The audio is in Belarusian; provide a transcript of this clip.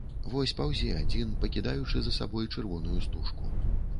Вось паўзе адзін, пакідаючы за сабой чырвоную стужку.